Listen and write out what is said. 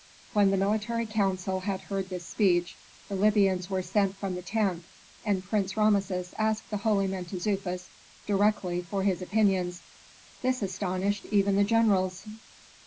When the military council had heard this speech the Libyans were sent from the tent, and Prince Rameses asked the holy Mentezufis directly for his opinions; this astonished even the generals.